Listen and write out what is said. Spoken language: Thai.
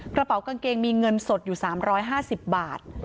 กระเป๋ากางเกงมีเงินสดอยู่๓๕๐บาท